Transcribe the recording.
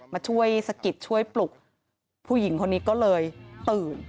มาช่วยสะกิดช่วยปลุกผู้หญิงคนนี้ก็เลยตื่น